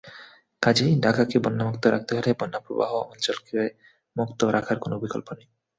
কাজেই ঢাকাকে বন্যামুক্ত রাখতে হলে বন্যাপ্রবাহ অঞ্চলকে মুক্ত রাখার কোনো বিকল্প নেই।